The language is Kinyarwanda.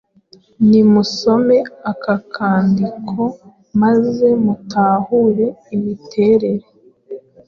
Nimusome aka kandiko maze mutahure imiterere